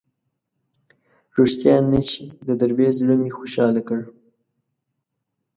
ریښتیا نه شي د دروېش زړه مې خوشاله کړ.